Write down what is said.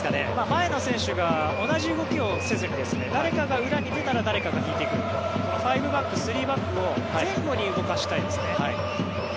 前の選手が同じ動きをしないで誰かが裏に出たら誰かが引いてくる５バック、３バックを前後に動かしたいですね。